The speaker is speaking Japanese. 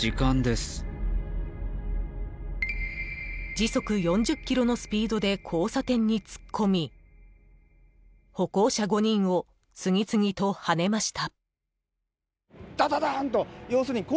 ［時速４０キロのスピードで交差点に突っ込み歩行者５人を次々とはねました］